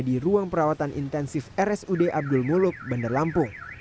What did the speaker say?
di ruang perawatan intensif rsud abdul muluk bandar lampung